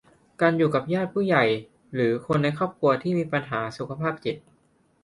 การอยู่กับญาติผู้ใหญ่หรือคนในครอบครัวที่มีปัญหาสุขภาพจิต